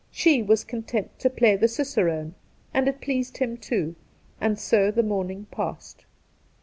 She was content to play the cicerone, and it pleased him too, and so the morning passed.